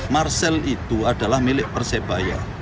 marcel itu adalah milik persebaya